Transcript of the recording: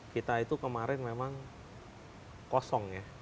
kita itu kemarin memang kosong ya